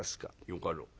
「よかろう。